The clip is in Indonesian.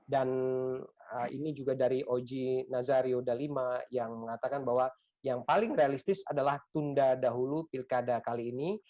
dan ini juga dari oji nazario dalima yang mengatakan bahwa yang paling realistis adalah tunda dahulu pilkada kali ini